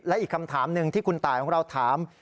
และอีกคำถามหนึ่งที่คุณตายของเราถาม